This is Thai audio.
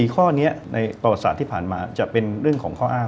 ข้อนี้ในประวัติศาสตร์ที่ผ่านมาจะเป็นเรื่องของข้ออ้าง